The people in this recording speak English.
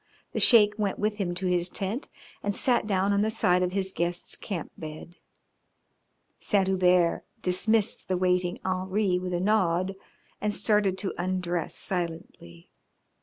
The Sheik went with him to his tent and sat down on the side of his guest's camp bed. Saint Hubert dismissed the waiting Henri with a nod and started to undress silently.